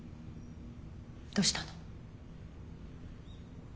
どしたの？